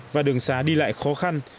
và đường xá đi lại khó khăn